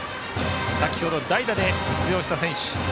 先程、代打で出場した選手。